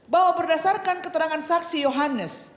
bahwa berdasarkan keterangan saksi yohannes